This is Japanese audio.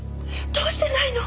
どうしてないの！？